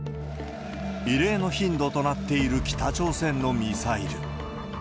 異例の頻度となっている北朝鮮のミサイル。